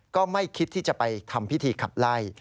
ก็ไม่คิดที่จะไปทำพิธีขับไล่